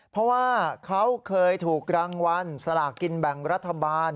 เพราะว่าเขาเคยถูกรางวัลสลากกินแบ่งรัฐบาล